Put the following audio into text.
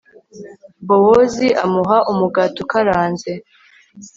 bowozi amuha umugati ukaranze